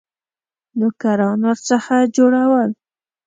نوکران ورڅخه جوړول.